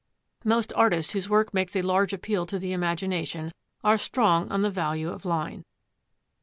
Most artists whose work makes a large appeal to the imagination are strong on the value of line.